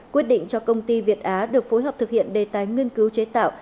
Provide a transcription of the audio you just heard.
quyết định cho công ty việt á được phối hợp thực hiện đề tài nghiên cứu chế tạo